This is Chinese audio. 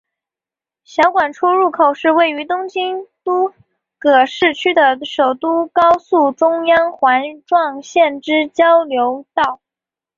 小菅出入口是位于东京都葛饰区的首都高速中央环状线之交流道。